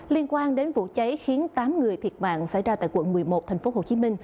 liên quan đến vụ cháy khiến tám người thiệt mạng xảy ra tại quận một mươi một tp hcm